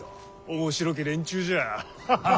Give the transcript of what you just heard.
面白き連中じゃ。